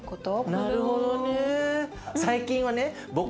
なるほどね。